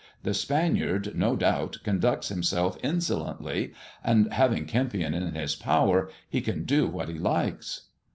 The Spaniard, no doubt, conducts himself insolently, and, having Kempion in his power, he can do what he likes."